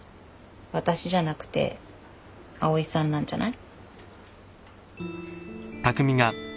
私じゃなくて蒼井さんなんじゃない？